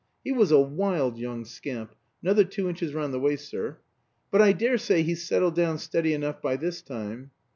"He was a wild young scamp another two inches round the waist, sir but I daresay he's settled down steady enough by this time."